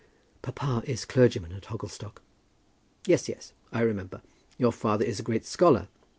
"Papa is clergyman at Hogglestock." "Yes, yes; I remember. Your father is a great scholar.